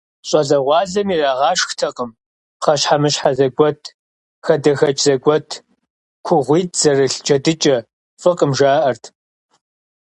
ЩӀалэгъуалэм ирагъэшхтэкъым пхъэщхьэмыщхьэ зэгуэт, хадэхэкӀ зэгуэт, кугъуитӀ зэрылъ джэдыкӀэ, фӀыкъым, жаӀэрт.